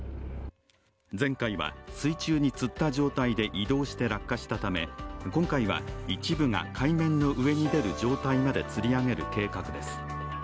前回は、水中につった状態で移動して落下したため今回は、一部が海面の上に出る状態にまでつり上げる計画です。